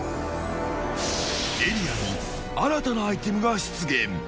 エリアに新たなアイテムが出現。